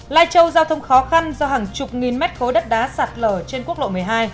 lai châu giao thông khó khăn do hàng chục nghìn mét khối đất đá sạt lở trên quốc lộ một mươi hai